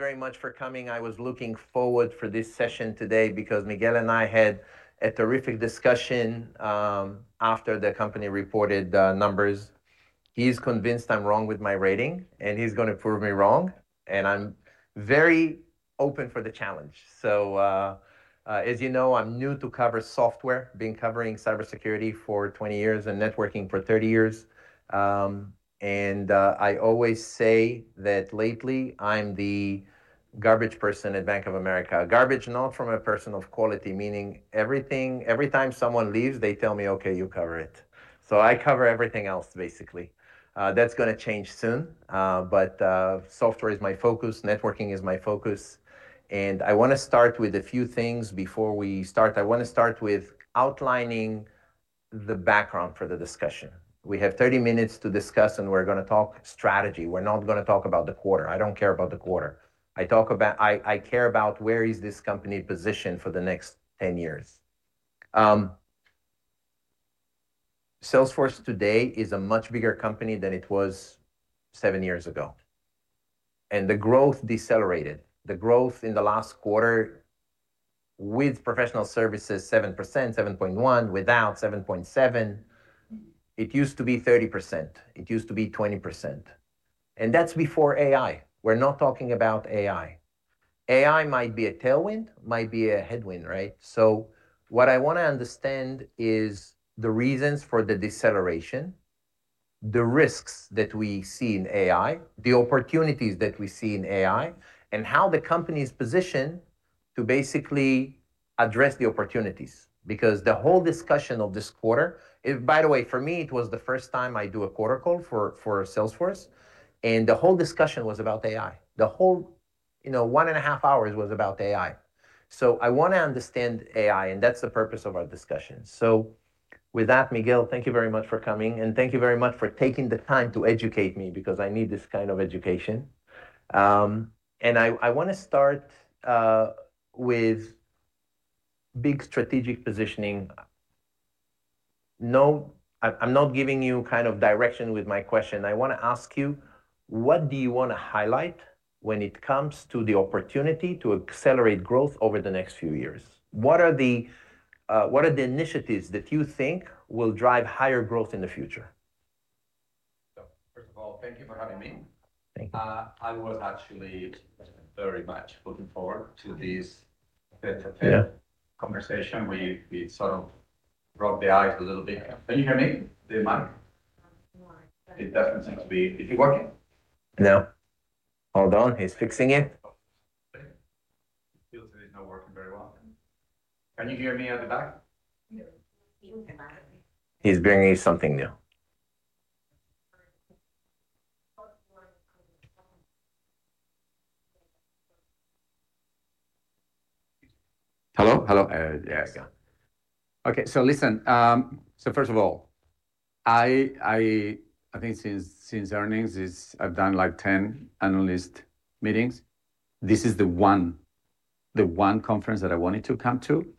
Thanks very much for coming. I was looking forward for this session today because Miguel and I had a terrific discussion after the company reported the numbers. He's convinced I'm wrong with my rating, and he's going to prove me wrong, and I'm very open for the challenge. As you know, I'm new to cover software, been covering cybersecurity for 20 years and networking for 30 years. I always say that lately I'm the garbage person at Bank of America. Garbage not from a person of quality, meaning every time someone leaves, they tell me, "Okay, you cover it." I cover everything else, basically. That's going to change soon, but software is my focus, networking is my focus, and I want to start with a few things before we start. I want to start with outlining the background for the discussion. We have 30 minutes to discuss and we're going to talk strategy. We're not going to talk about the quarter. I don't care about the quarter. I care about where is this company positioned for the next 10 years. Salesforce today is a much bigger company than it was seven years ago, and the growth decelerated. The growth in the last quarter with professional services, 7%, 7.1%, without, 7.7%. It used to be 30%, it used to be 20%. That's before AI. We're not talking about AI. AI might be a tailwind, might be a headwind, right? What I want to understand is the reasons for the deceleration, the risks that we see in AI, the opportunities that we see in AI, and how the company is positioned to basically address the opportunities. Because the whole discussion of this quarter. By the way, for me, it was the first time I do a quarter call for Salesforce, and the whole discussion was about AI. The whole one and a half hours was about AI. I want to understand AI, and that's the purpose of our discussion. With that, Miguel, thank you very much for coming, and thank you very much for taking the time to educate me, because I need this kind of education. I want to start with big strategic positioning. I'm not giving you direction with my question. I want to ask you, what do you want to highlight when it comes to the opportunity to accelerate growth over the next few years? What are the initiatives that you think will drive higher growth in the future? First of all, thank you for having me. Thank you. I was actually very much looking forward to this face-to-face. Yeah A conversation where you sort of rub the eyes a little bit. Can you hear me, the mic? No. It doesn't seem to be. Is it working? No. Hold on, he's fixing it. It feels that it's not working very well. Can you hear me at the back? No. He's bringing something new. Hello? Hello. Yeah. Yeah. Okay, listen. First of all, I think since earnings, I've done 10 analyst meetings. This is the one conference that I wanted to come to.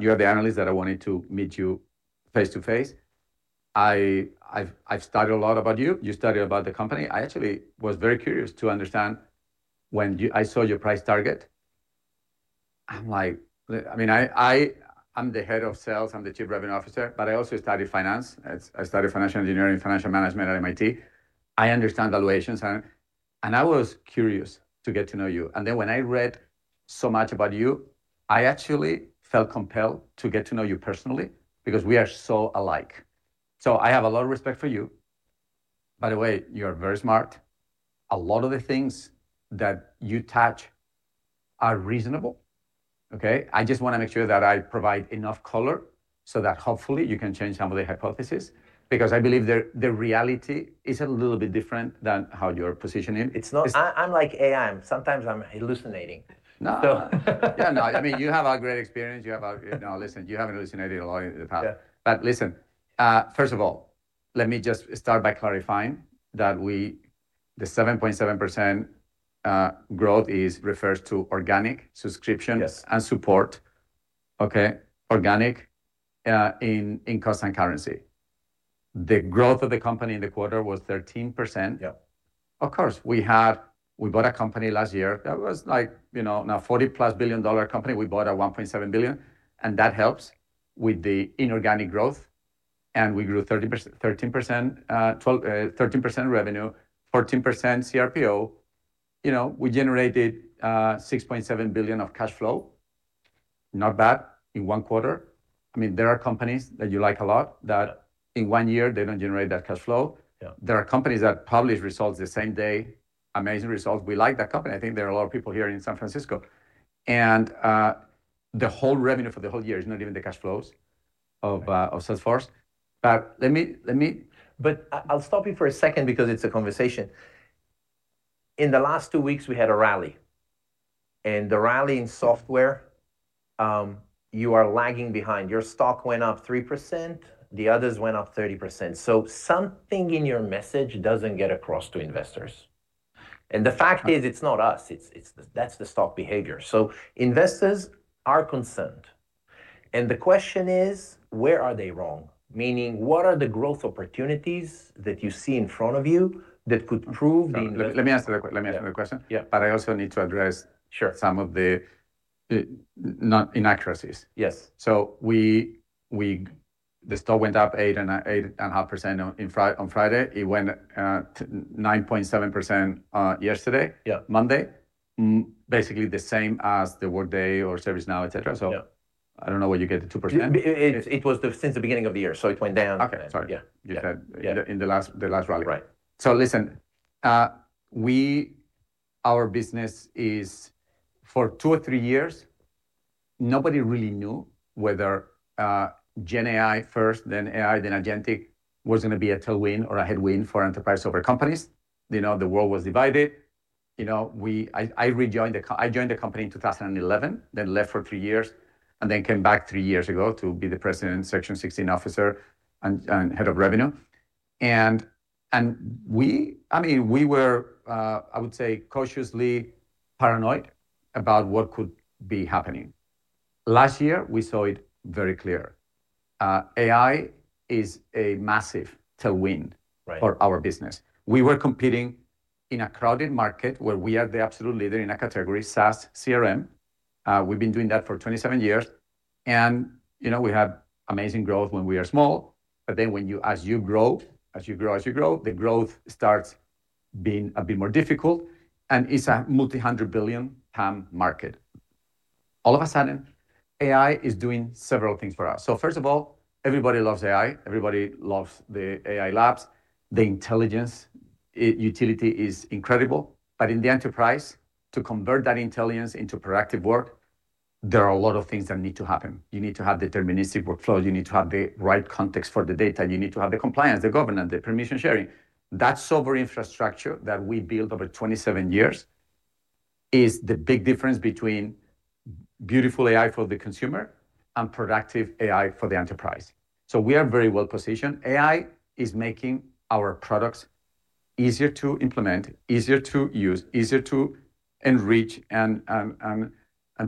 You're the analyst that I wanted to meet you face-to-face. I've studied a lot about you. You studied about the company. I actually was very curious to understand when I saw your price target. I'm the head of sales, I'm the Chief Revenue Officer, but I also studied finance. I studied Financial Engineering and Financial Management at MIT. I understand valuations. I was curious to get to know you. Then, when I read so much about you, I actually felt compelled to get to know you personally, because we are so alike. I have a lot of respect for you. By the way, you're very smart. A lot of the things that you touch are reasonable, okay? I just want to make sure that I provide enough color so that hopefully you can change some of the hypotheses, because I believe the reality is a little bit different than how you're positioning. I'm like AI. Sometimes I'm hallucinating. No. Yeah, no, you have a great experience. No, listen, you haven't hallucinated a lot in the past. Yeah. Listen, first of all, let me just start by clarifying that the 7.7% growth refers to organic subscriptions. Yes Support, okay? Organic in cost and currency. The growth of the company in the quarter was 13%. Yeah. Of course, we bought a company last year that was now a $40-plus billion company. We bought a $1.7 billion, and that helps with the inorganic growth. We grew 13% revenue, 14% CRPO. We generated $6.7 billion of cash flow. Not bad in one quarter. There are companies that you like a lot, that in one year, they don't generate that cash flow. Yeah. There are companies that publish results the same day, amazing results. We like that company. I think there are a lot of people here in San Francisco. The whole revenue for the whole year is not even the cash flows of Salesforce. I'll stop you for a second because it's a conversation. In the last two weeks, we had a rally. The rally in software, you are lagging behind. Your stock went up 3%, the others went up 30%. Something in your message doesn't get across to investors. The fact is, it's not us, that's the stock behavior. Investors are concerned. The question is, where are they wrong? Meaning, what are the growth opportunities that you see in front of you that could prove the- Let me answer the question. Yeah. I also need to address. Sure Some of the inaccuracies. Yes. The stock went up 8.5% on Friday. It went 9.7% yesterday. Yeah Monday, basically the same as the Workday or ServiceNow, et cetera. Yeah I don't know where you get the 2%. It was since the beginning of the year, so it went down. Okay. Sorry. Yeah. You said in the last rally. Right. Listen. Our business is for two or three years, nobody really knew whether GenAI first, then AI, then agentic was going to be a tailwind or a headwind for enterprise software companies. The world was divided. I joined the company in 2011, then left for three years, then came back three years ago to be the President, Section 16 Officer, and Head of Revenue. We were, I would say, cautiously paranoid about what could be happening. Last year, we saw it very clear. AI is a massive tailwind. Right For our business, we were competing in a crowded market where we are the absolute leader in a category, SaaS CRM. We've been doing that for 27 years. We had amazing growth when we are small. As you grow, the growth starts being a bit more difficult. It's a multi-hundred-billion TAM market. All of a sudden, AI is doing several things for us. First of all, everybody loves AI. Everybody loves the AI labs. The intelligence utility is incredible. In the enterprise, to convert that intelligence into proactive work, there are a lot of things that need to happen. You need to have deterministic workflows. You need to have the right context for the data. You need to have the compliance, the governance, the permission sharing. That software infrastructure that we built over 27 years is the big difference between beautiful AI for the consumer and productive AI for the enterprise. We are very well-positioned. AI is making our products easier to implement, easier to use, easier to enrich and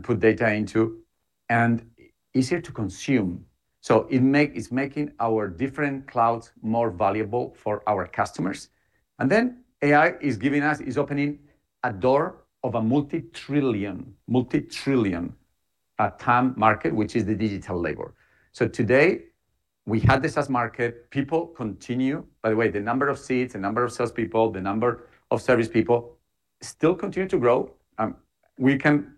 put data into, and easier to consume. It's making our different clouds more valuable for our customers. AI is opening a door of a multi-trillion, multi-trillion a TAM market, which is the digital labor. Today, we had the SaaS market. By the way, the number of seats, the number of salespeople, the number of service people still continue to grow. We can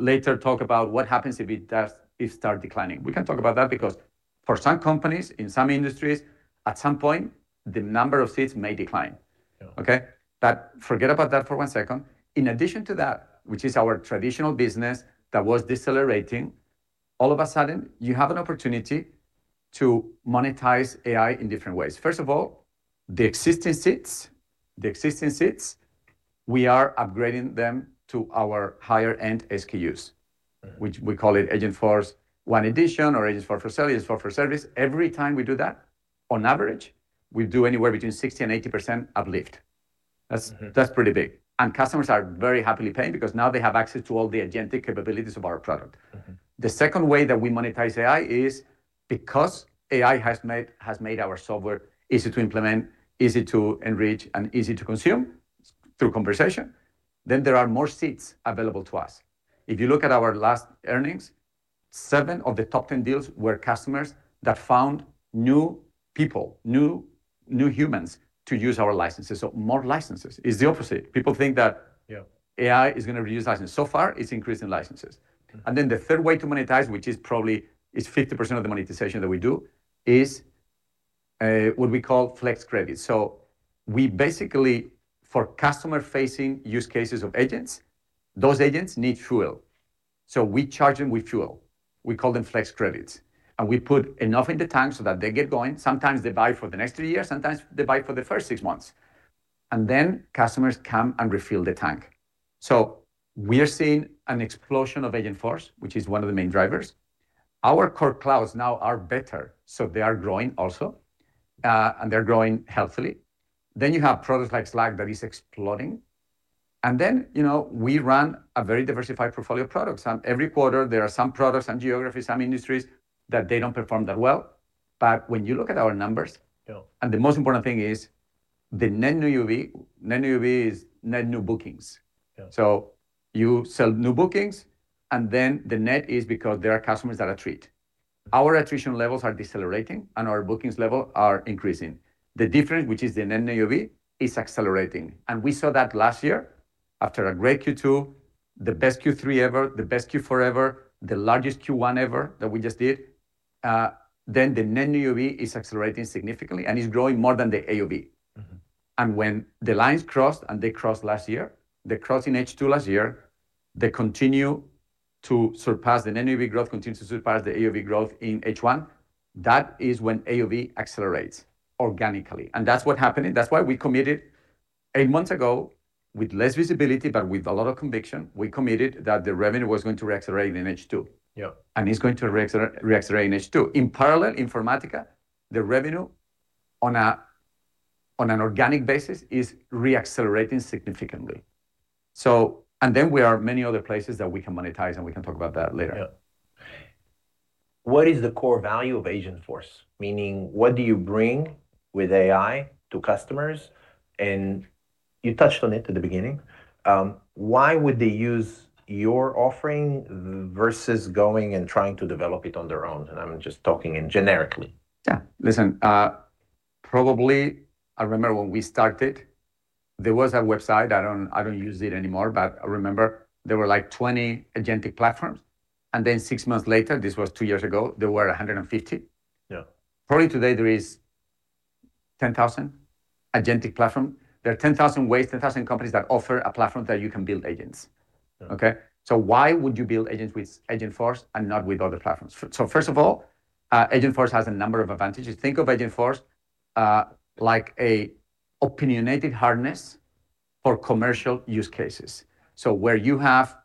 later talk about what happens if it starts declining. We can talk about that because, for some companies in some industries, at some point, the number of seats may decline. Yeah. Okay? Forget about that for one second. In addition to that, which is our traditional business that was decelerating, all of a sudden, you have an opportunity to monetize AI in different ways. First of all, the existing seats, we are upgrading them to our higher-end SKUs. Right. We call it Agentforce one edition or Agentforce for Sales, Agentforce for Service. Every time we do that, on average, we do anywhere between 60% and 80% uplift. That's pretty big. Customers are very happy paying because now they have access to all the agentic capabilities of our product. The second way that we monetize AI is because AI has made our software easy to implement, easy to enrich, and easy to consume through conversation, then there are more seats available to us. If you look at our last earnings, seven of the top 10 deals were customers that found new people, new humans to use our licenses. More licenses. It's the opposite. Yeah AI is going to reduce licenses. Far, it's increasing licenses. Okay. The third way to monetize, which is probably 50% of the monetization that we do, is what we call Flex Credits. We basically, for customer-facing use cases of agents, those agents need fuel. We charge them with fuel. We call them Flex Credits, and we put enough in the tank so that they get going. Sometimes they buy for the next three years, sometimes they buy for the first six months, and then customers come and refill the tank. We are seeing an explosion of Agentforce, which is one of the main drivers. Our core clouds now are better, so they are growing also, and they're growing healthily. You have products like Slack that is exploding, and then we run a very diversified portfolio of products. Every quarter, there are some products and geographies, some industries that they don't perform that well. When you look at our numbers. Yeah The most important thing is the net new UAB. Net new UAB is net new bookings. Yeah. You sell new bookings, and then the net is because there are customers that attrit. Our attrition levels are decelerating, and our bookings level are increasing. The difference, which is the net new UAB, is accelerating. We saw that last year, after a great Q2, the best Q3 ever, the best Q4 ever, the largest Q1 ever that we just did. The net new UAB is accelerating significantly and is growing more than the AOV. When the lines crossed, and they crossed last year, they crossed in H2 last year. They continue to surpass. The net new UAB growth continues to surpass the AUB growth in H1. That is when AUB accelerates organically. That's what happened. That's why we committed eight months ago with less visibility, but with a lot of conviction, we committed that the revenue was going to accelerate in H2. Yeah. It's going to accelerate in H2. In parallel, Informatica the revenue on an organic basis is re-accelerating significantly. There are many other places that we can monetize, and we can talk about that later. Yeah. What is the core value of Agentforce? Meaning, what do you bring with AI to customers? You touched on it at the beginning. Why would they use your offering versus going and trying to develop it on their own? I'm just talking in generically. Yeah. Listen, probably, I remember when we started, there was a website, I don't use it anymore, but I remember there were 20 agentic platforms, then six months later, this was two years ago, there were 150. Yeah. Probably today, there is 10,000 agentic platforms. There are 10,000 ways, 10,000 companies that offer a platform that you can build agents. Yeah. Okay? Why would you build agents with Agentforce and not with other platforms? First of all, Agentforce has a number of advantages. Think of Agentforce like an opinionated harness for commercial use cases. Where you have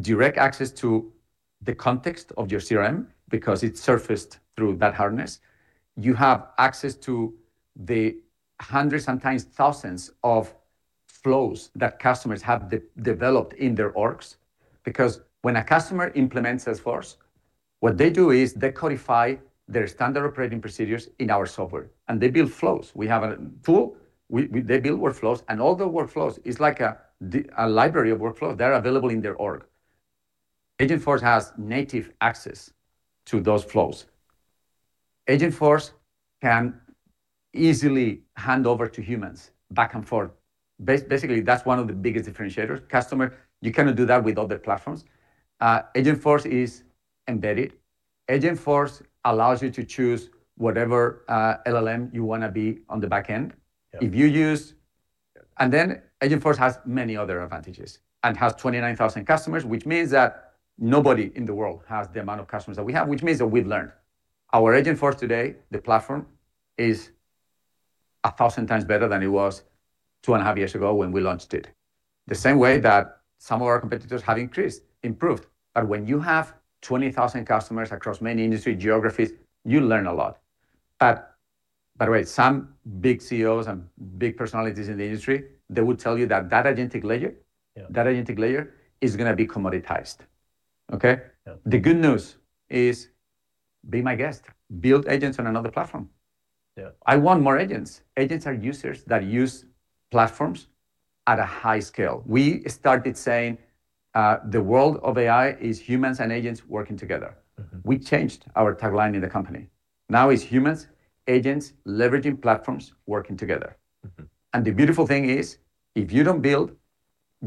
direct access to the context of your CRM, because it surfaced through that harness, you have access to the hundreds, sometimes thousands of flows that customers have developed in their orgs. Because when a customer implements Salesforce, what they do is they codify their standard operating procedures in our software, and they build flows. We have a tool. They build workflows, and all the workflows it's like a library of workflows. They're available in their org. Agentforce has native access to those flows. Agentforce can easily hand over to humans back and forth. Basically, that's one of the biggest differentiators. Customer, you cannot do that with other platforms. Agentforce is embedded. Agentforce allows you to choose whatever LLM you want to be on the back end. Yeah. Agentforce has many other advantages and has 29,000 customers, which means that nobody in the world has the amount of customers that we have, which means that we've learned. Our Agentforce today, the platform, is 1,000 times better than it was two and a half years ago when we launched it. The same way that some of our competitors have improved. When you have 20,000 customers across many industry geographies, you learn a lot. By the way, some big CEOs and big personalities in the industry, they will tell you that that agentic layer. Yeah That agentic layer is going to be commoditized. Okay? Yeah. The good news is, be my guest. Build agents on another platform. Yeah. I want more agents. Agents are users that use platforms at a high scale. We started saying, the world of AI is humans and agents working together. We changed our tagline in the company. Now it's humans, agents, leveraging platforms, working together. The beautiful thing is, if you don't build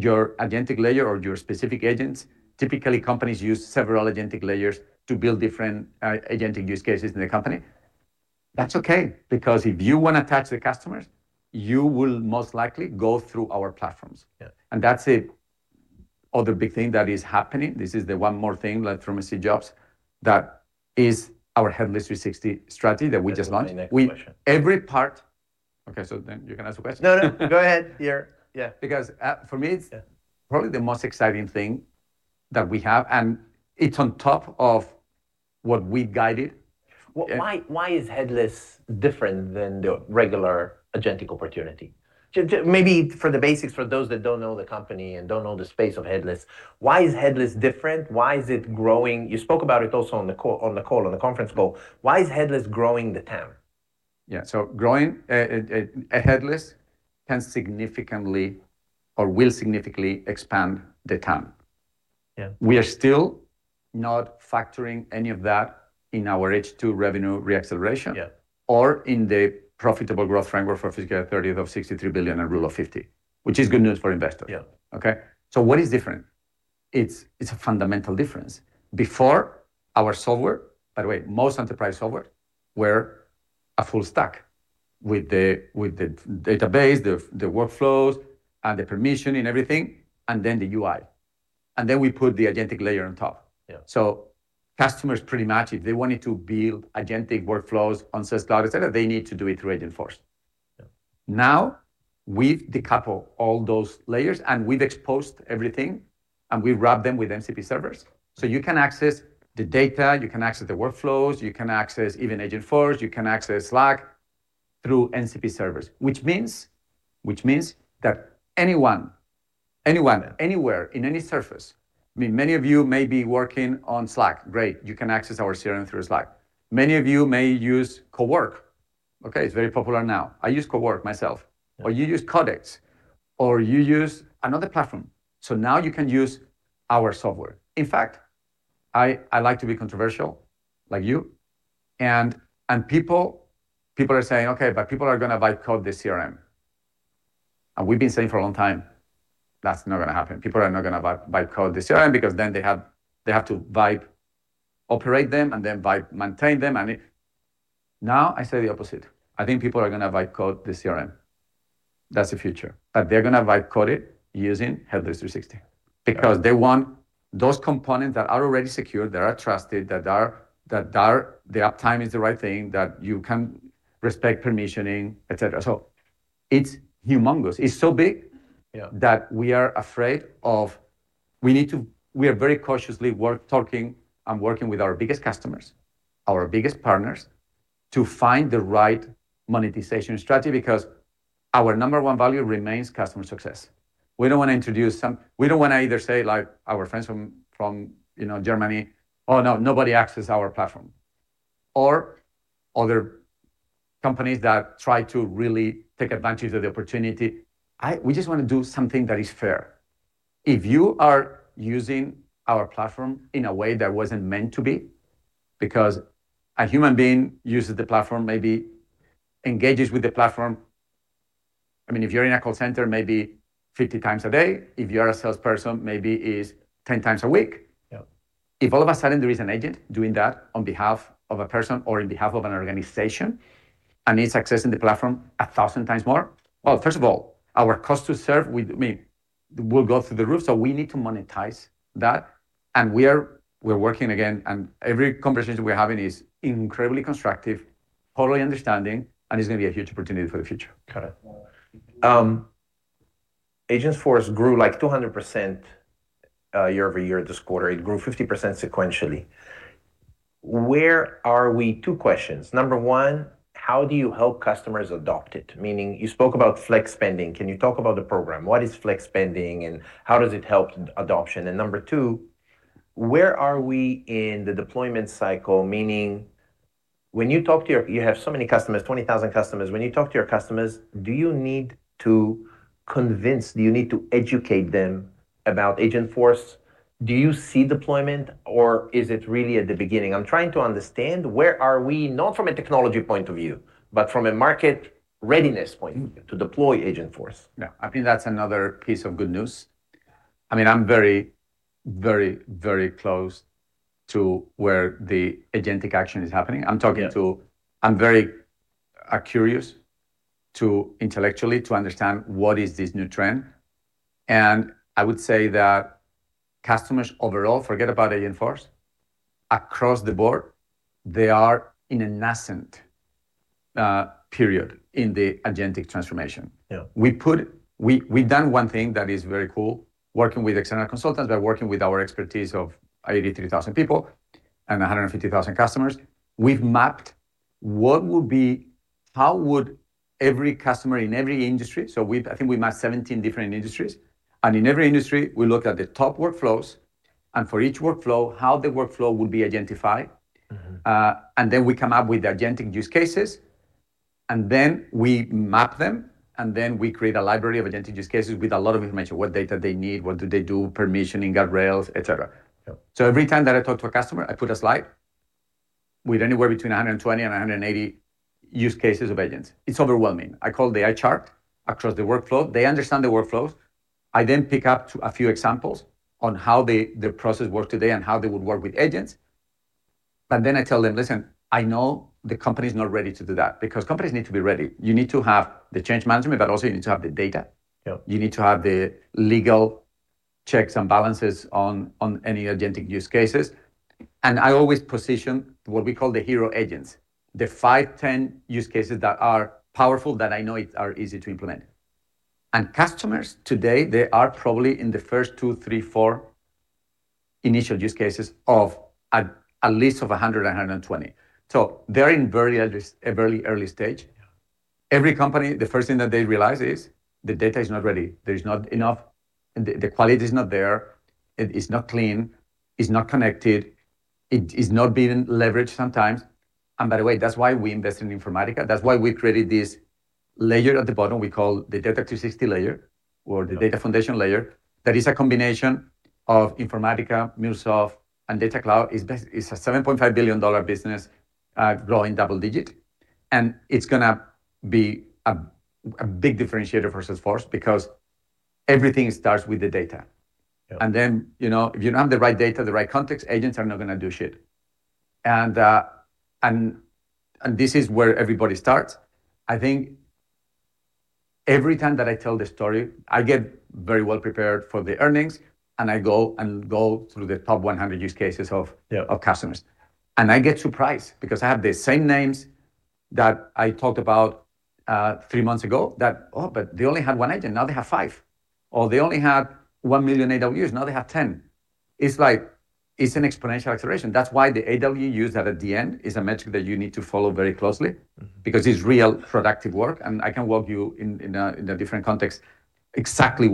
your agentic layer or your specific agents, typically, companies use several agentic layers to build different agentic use cases in the company. That's okay, because if you want to touch the customers, you will most likely go through our platforms. Yeah. That's it. Other big thing that is happening, this is the one more thing, like from Steve Jobs, that is our Headless 360 strategy that we just launched. That's my next question. Okay, you can ask the question. No, no. Go ahead. Yeah. Because for me, it's- Yeah Probably the most exciting thing that we have, and it's on top of what we guided. Yeah. Why is headless different than the regular Agentic opportunity? Maybe for the basics, for those that don't know the company and don't know the space of headless, why is headless different? Why is it growing? You spoke about it also on the call, on the conference call. Why is headless growing the TAM? Yeah. Growing a headless can significantly or will significantly expand the TAM. Yeah. We are still not factoring any of that in our H2 revenue re-acceleration. Yeah Or in the profitable growth framework for fiscal 2030 of $63 billion and rule of 50, which is good news for investors. Yeah. Okay? What is different? It's a fundamental difference. Before, our software, by the way, most enterprise software were a full stack with the database, the workflows, and the permissions, and everything, and then the UI. We put the agentic layer on top. Yeah. Customers pretty much, if they wanted to build agentic workflows on Salesforce, et cetera, they need to do it through Agentforce. Yeah. Now, we've decoupled all those layers, and we've exposed everything, and we've wrapped them with MCP servers. You can access the data, you can access the workflows, you can access even Agentforce, you can access Slack through MCP servers, which means that anyone, anywhere in any surface, I mean, many of you may be working on Slack. Great. You can access our CRM through Slack. Many of you may use Cowork. Okay, it's very popular now. I use Cowork myself, or you use Codex, or you use another platform. Now you can use our software. In fact, I like to be controversial like you, and people are saying, "Okay, but people are going to buy code, the CRM." We've been saying for a long time that's not going to happen. People are not going to buy SaaS CRM, because they have to buy, operate them, maintain them. Now I say the opposite. I think people are going to buy SaaS CRM. That's the future. They're going to using Headless 360, because they want those components that are already secured, that are trusted, that their uptime is the right thing, that you can respect permissioning, et cetera. It's humongous. It's so big. Yeah That we are afraid of. We are very cautiously talking and working with our biggest customers, our biggest partners, to find the right monetization strategy, because our number one value remains customer success. We don't want to either say, like our friends from Germany, "Oh, no, nobody access our platform," or other companies that try to really take advantage of the opportunity. We just want to do something that is fair. If you are using our platform in a way that wasn't meant to be, because a human being uses the platform, maybe engages with the platform, if you're in a call center, maybe 50 times a day, if you're a salesperson, maybe it is 10 times a week. Yeah. If all of a sudden there is an agent doing that on behalf of a person or on behalf of an organization, and it's accessing the platform 1,000 times more, well, first of all, our cost to serve will go through the roof, so we need to monetize that. We're working again, and every conversation we're having is incredibly constructive, totally understanding, and it's going to be a huge opportunity for the future. Got it. Agentforce grew 200% year-over-year this quarter. It grew 50% sequentially. Where are we? Two questions. Number one, how do you help customers adopt it? Meaning, you spoke about flex spending. Can you talk about the program? What is flex spending, and how does it help adoption? Number two, where are we in the deployment cycle? Meaning, you have so many customers, 20,000 customers. When you talk to your customers, do you need to convince, do you need to educate them about Agentforce? Do you see deployment, or is it really at the beginning? I'm trying to understand where are we, not from a technology point of view, but from a market readiness point of view to deploy Agentforce. Yeah. I think that's another piece of good news. I'm very close to where the agentic action is happening. Yeah. I'm very curious intellectually to understand what is this new trend. I would say that customers overall, forget about Agentforce, across the board, they are in a nascent period in the agentic transformation. Yeah. We've done one thing that is very cool, working with external consultants, but working with our expertise of 83,000 people and 150,000 customers. We've mapped how would every customer in every industry, so I think we mapped 17 different industries, and in every industry, we looked at the top workflows, and for each workflow, how the workflow will be agentified. We come up with agentic use cases, and then we map them, and then we create a library of agentic use cases with a lot of information, what data they need, what do they do, permissioning, guardrails, et cetera. Yeah. Every time that I talk to a customer, I put a slide with anywhere between 120 and 180 use cases of agents. It's overwhelming. I call the eye chart across the workflow. They understand the workflows. I then pick up a few examples on how their process works today and how they would work with agents. I tell them, "Listen, I know the company's not ready to do that." Because companies need to be ready. You need to have the change management, but also you need to have the data. Yeah. You need to have the legal checks and balances on any agentic use cases. I always position what we call the hero agents, the five, 10 use cases that are powerful that I know are easy to implement. Customers today, they are probably in the first two, three, four initial use cases of a list of 100 and 120. They're in a very early stage. Yeah. Every company, the first thing that they realize is the data is not ready. There's not enough, the quality is not there, it is not clean, it's not connected, it is not being leveraged sometimes. By the way, that's why we invest in Informatica. That's why we created this layer at the bottom we call the Data 360 layer. Yeah or the data foundation layer. That is a combination of Informatica, MuleSoft, and Data Cloud. It's a $7.5 billion business, growing double-digit. It's going to be a big differentiator for Salesforce, because everything starts with the data. Yeah. If you don't have the right data, the right context, agents are not going to do shit. This is where everybody starts. I think every time that I tell the story, I get very well prepared for the earnings, and I go through the top 100 use cases. Yeah Customers, I get surprised, because I have the same names that I talked about three months ago that, but they only had one agent, now they have five, or they only had 1 million AWUs, now they have 10. It's an exponential acceleration. That's why the AWU that at the end is a metric that you need to follow very closely. Because it's real productive work, and I can walk you in a different context exactly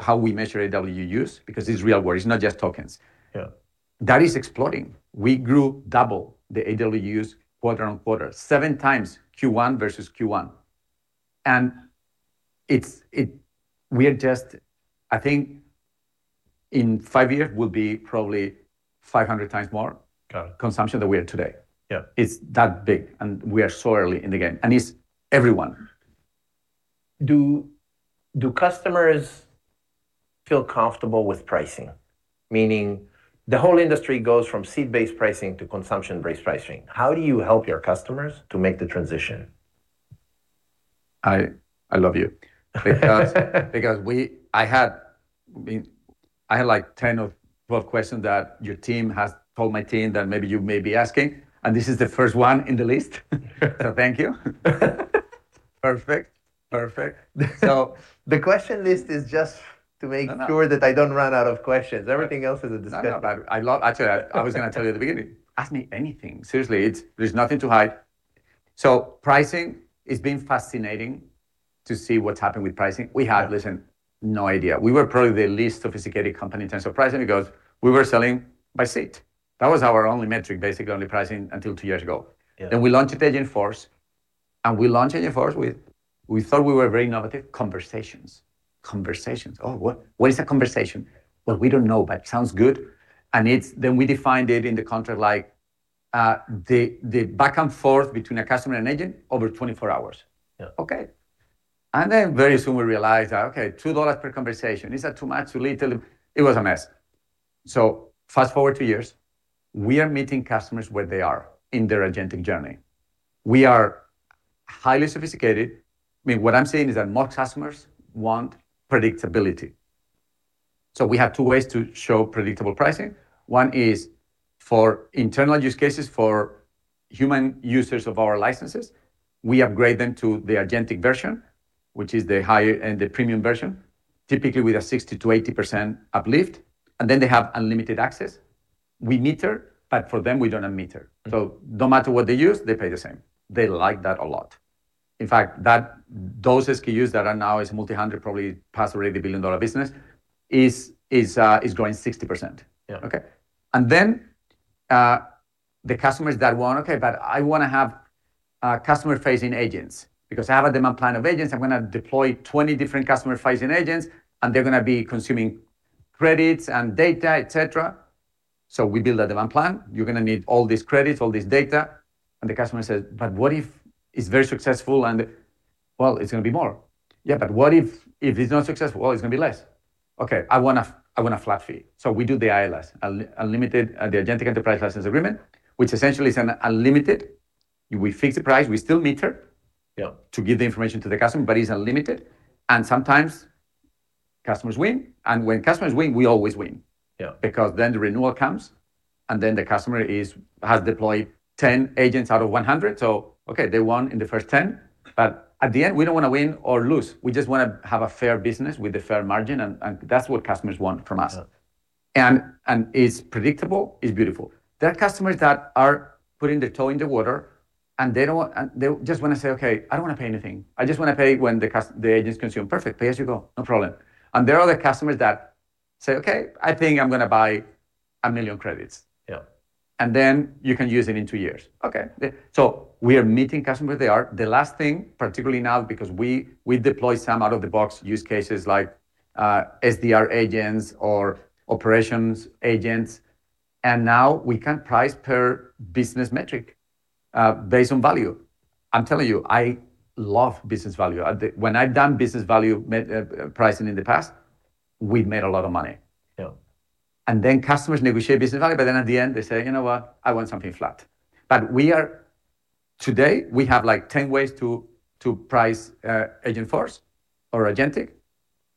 how we measure AWUs, because it's real work, it's not just tokens. Yeah. That is exploding. We grew double the AWUs quarter-on-quarter, seven times Q1 versus Q1. We are just, I think in five years, we will be probably 500 times more. Got it. Consumption than we are today. Yeah. It's that big, and we are so early in the game. It's everyone. Do customers feel comfortable with pricing? Meaning, the whole industry goes from seat-based pricing to consumption-based pricing. How do you help your customers to make the transition? I love you. I had 10 or 12 questions that your team has told my team that maybe you may be asking, and this is the first one in the list. Thank you. Perfect. The question list is just to make sure that I don't run out of questions. Everything else is a discussion. No, actually, I was going to tell you at the beginning. Ask me anything. Seriously, there's nothing to hide. Pricing, it's been fascinating to see what's happened with pricing. We had, listen, no idea. We were probably the least sophisticated company in terms of pricing because we were selling by seat. That was our only metric, basically, only pricing until two years ago. Yeah. We launched Agentforce, and we thought we were very innovative. Conversations. What is a conversation? We don't know, but it sounds good, and then we defined it in the contract, like the back and forth between a customer and agent over 24 hours. Yeah. Okay. Very soon we realized that $2 per conversation, is that too much, too little? It was a mess. Fast-forward two years, we are meeting customers where they are in their agentic journey. We are highly sophisticated. I mean, what I'm saying is that more customers want predictability. We have two ways to show predictable pricing. One is for internal use cases, for human users of our licenses. We upgrade them to the agentic version, which is the higher-end, the premium version, typically with a 60%-80% uplift, and then they have unlimited access. We meter, but for them, we don't meter. No matter what they use, they pay the same. They like that a lot. In fact, those SKUs that are now is multi-hundred, probably past already a billion-dollar business, is growing 60%. Yeah. Okay? The customers that want, okay, I want to have customer-facing agents because I have a demand plan of agents. I'm going to deploy 20 different customer-facing agents, and they're going to be consuming credits and data, et cetera. We build a demand plan. You're going to need all these credits, all this data, and the customer says, "What if it's very successful?" Well, it's going to be more. "Yeah, what if it is not successful?" Well, it's going to be less. "Okay, I want a flat fee." We do the AELA, the Agentic Enterprise License Agreement, which essentially is an unlimited, we fix the price. We still meter. Yeah To give the information to the customer, but it's unlimited, and sometimes customers win, and when customers win, we always win. Yeah. The renewal comes. The customer has deployed 10 agents out of 100. Okay, they won in the first 10. At the end, we don't want to win or lose. We just want to have a fair business with a fair margin. That's what customers want from us. Yeah. It's predictable, it's beautiful. There are customers that are putting their toe in the water, and they just want to say, "Okay, I don't want to pay anything. I just want to pay when the agents consume." Perfect. Pay as you go, no problem. There are other customers that say, "Okay, I think I'm going to buy 1 million credits. Yeah. You can use it in two years. Okay. We are meeting customers where they are. The last thing, particularly now, because we deploy some out-of-the-box use cases like SDR agents or operations agents, and now we can price per business metric based on value. I'm telling you, I love business value. When I've done business value pricing in the past, we've made a lot of money. Yeah. Customers negotiate business value, but then at the end, they say, "You know what? I want something flat." Today, we have 10 ways to price Agentforce or Agentic,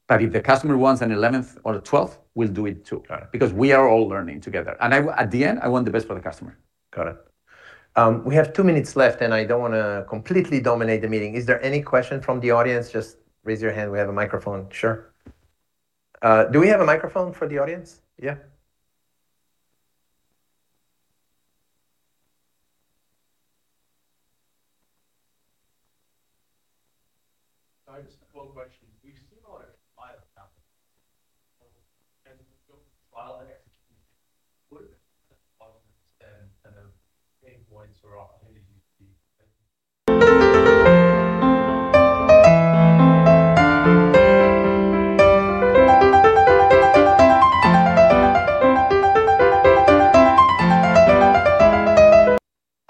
but if the customer wants an 11th or a 12th, we'll do it, too. Got it. We are all learning together, and at the end, I want the best for the customer. Got it. We have two minutes left. I don't want to completely dominate the meeting. Is there any question from the audience? Just raise your hand. We have a microphone. Sure. Do we have a microphone for the audience? Yeah.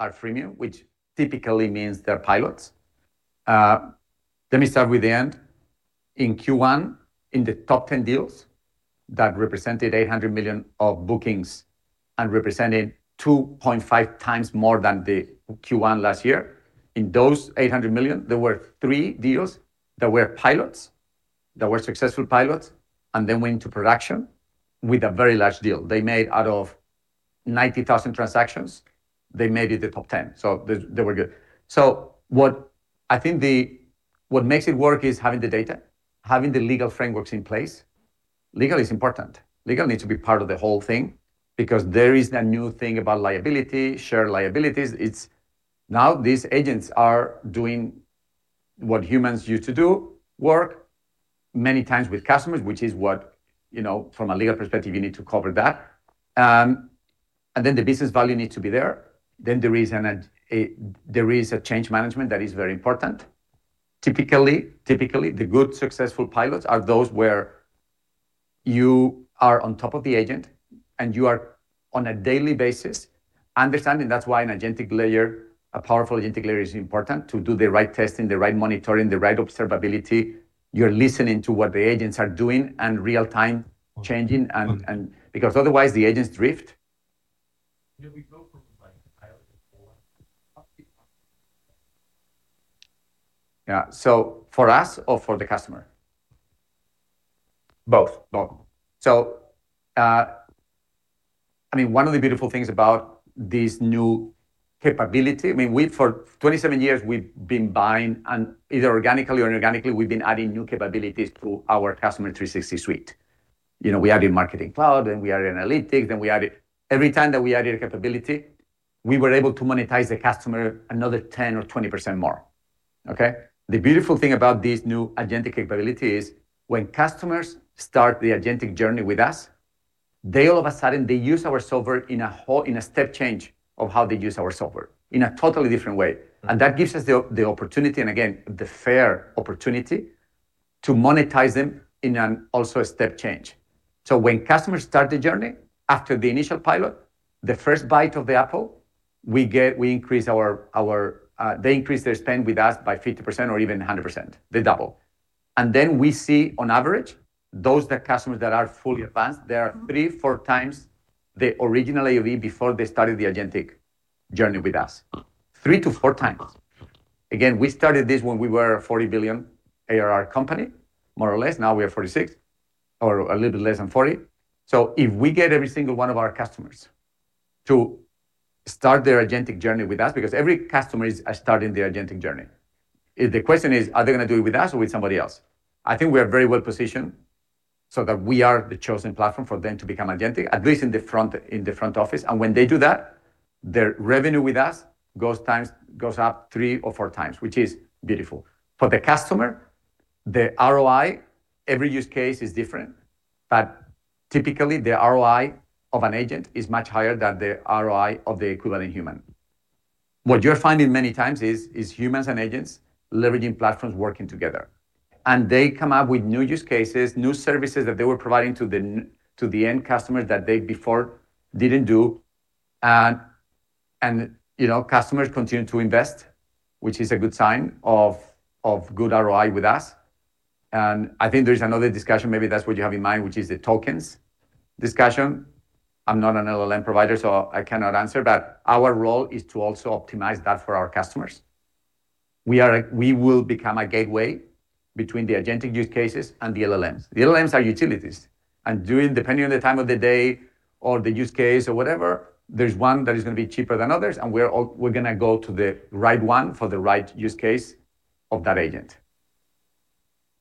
I just have one question. We've seen a lot of pilot accounts, and while they're executing, what are the positives and the pain points or opportunities you see? Are freemium, which typically means they're pilots. Let me start with the end. In Q1, in the top 10 deals, that represented $800 million of bookings and represented 2.5 times more than the Q1 last year. In those $800 million, there were three deals that were pilots, that were successful pilots, and then went into production with a very large deal. They made out of 90,000 transactions, they made it the top 10. They were good. I think what makes it work is having the data, having the legal frameworks in place. Legal is important. Legal needs to be part of the whole thing because there is a new thing about liability, shared liabilities. Now these agents are doing what humans used to do, work, many times with customers, which is what from a legal perspective, you need to cover that. The business value needs to be there. There is a change management that is very important. Typically, the good successful pilots are those where you are on top of the agent, and you are on a daily basis understanding. That's why an agentic layer, a powerful agentic layer is important to do the right testing, the right monitoring, the right observability. You're listening to what the agents are doing and real-time changing, because otherwise, the agents drift. [inaudible] Yeah. For us or for the customer? Both. One of the beautiful things about this new capability, for 27 years, we've been buying, and either organically or inorganically, we've been adding new capabilities to our Customer 360 Suite. We added Marketing Cloud, then we added Analytics. Every time that we added a capability, we were able to monetize the customer another 10% or 20% more. Okay. The beautiful thing about these new agentic capabilities, when customers start the agentic journey with us, they all of a sudden use our software in a step change of how they use our software, in a totally different way. That gives us the opportunity, and again, the fair opportunity, to monetize them in also a step change. When customers start the journey, after the initial pilot, the first bite of the apple, they increase their spend with us by 50% or even 100%. They double. We see, on average, those customers that are fully advanced, they are three to four times the original AOV before they started the Agentic journey with us. Three to four times. We started this when we were a $40 billion ARR company, more or less. Now we are $46, or a little bit less than $40. If we get every single one of our customers to start their Agentic journey with us, because every customer is starting their Agentic journey. The question is, are they going to do it with us or with somebody else? I think we are very well-positioned so that we are the chosen platform for them to become agentic, at least in the front office. When they do that, their revenue with us goes up three or four times, which is beautiful. For the customer, the ROI, every use case is different, but typically, the ROI of an agent is much higher than the ROI of the equivalent human. What you're finding many times is humans and agents leveraging platforms, working together, and they come up with new use cases, new services that they were providing to the end customers that they before didn't do. Customers continue to invest, which is a good sign of good ROI with us. I think there is another discussion, maybe that's what you have in mind, which is the tokens discussion. I'm not an LLM provider, so I cannot answer, but our role is to also optimize that for our customers. We will become a gateway between the agentic use cases and the LLMs. The LLMs are utilities, and depending on the time of the day or the use case or whatever, there's one that is going to be cheaper than others, and we're going to go to the right one for the right use case of that agent.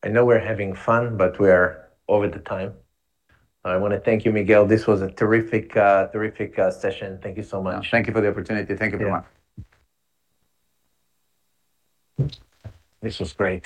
I know we're having fun, but we are over the time. I want to thank you, Miguel. This was a terrific session. Thank you so much. Thank you for the opportunity. Thank you very much. This was great.